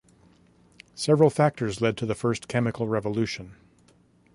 Several factors led to the first chemical revolution.